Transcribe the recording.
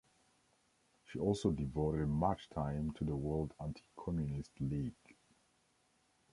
She also devoted much time to the World Anti-Communist League.